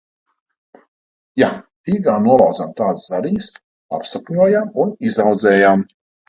Jā, Rīgā nolauzām tādus zariņus, apsakņojām un izaudzējām.